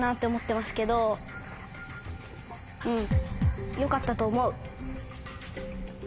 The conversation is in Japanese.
うん。